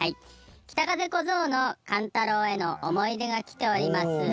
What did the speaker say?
「北風小僧の寒太郎」への思い出が来ております。